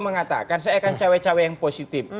mengatakan saya akan cawe cawe yang positif